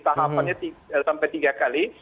tahapannya sampai tiga kali